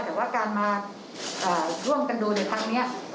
แต่ว่าการมาร่วมกันดูในครั้งนี้